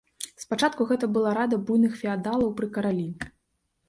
Спачатку гэта была рада буйных феадалаў пры каралі.